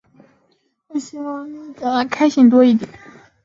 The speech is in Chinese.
西藏尼木县吞巴乡吞巴村是原料柏树泥的生产基地。